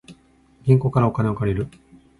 銀行からお金を借りる